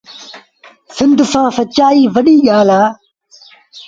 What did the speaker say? سند سآݩ سچآئيٚ وڏيٚ ڳآل اهي۔